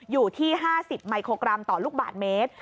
อยู่ที่๕๐มิโครกรัมต่อลูกบาทเมตร